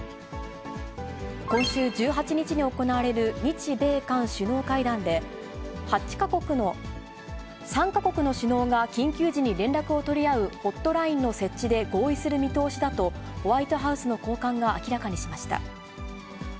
今週１８日に行われる日米韓首脳会談で、３か国の首脳が緊急時に連絡を取り合うホットラインの設置で合意する見通しだと、ホワイトハウスの高官が明らかにしました。